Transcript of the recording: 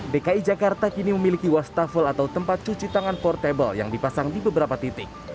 dki jakarta kini memiliki wastafel atau tempat cuci tangan portable yang dipasang di beberapa titik